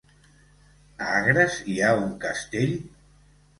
A Agres hi ha un castell?